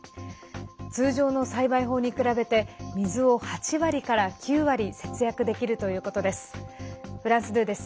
通常の栽培法に比べて水を８割から９割節約できるということです。